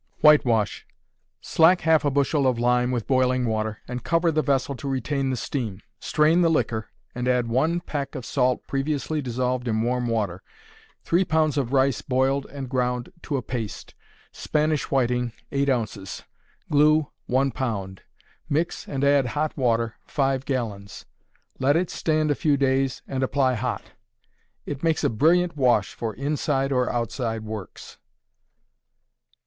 Whitewash. Slack half a bushel of lime with boiling water, and cover the vessel to retain the steam. Strain the liquor, and add one peck of salt previously dissolved in warm water, 3 lbs. of rice boiled and ground to a paste, Spanish whiting, 8 oz.; glue, 1 lb.; mix and add hot water, 5 gallons; let it stand a few days, and apply hot. It makes a brilliant wash for inside or outside works.